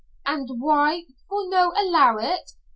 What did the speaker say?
"And why for no allow it?